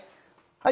はい。